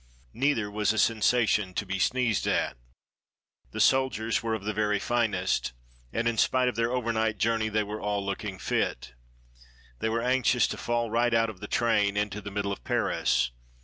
Neither was a sensation to be sneezed at. The soldiers were of the very finest, and in spite of their overnight journey they were all looking fit. They were anxious to fall right out of the train into the middle of Paris.